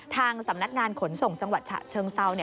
ทางสำนักงานขนส่งจังหวัดฉะเชิงเซา